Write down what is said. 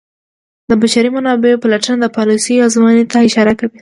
د بشري منابعو پلټنه د پالیسیو ازموینې ته اشاره کوي.